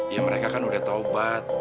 ya mereka kan udah taubat